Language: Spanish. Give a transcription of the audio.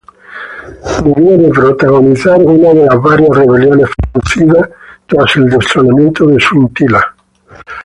Debió de protagonizar una de las varias rebeliones producidas tras el destronamiento de Suintila.